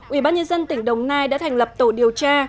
ubnd tỉnh đồng nai đã thành lập tổ điều tra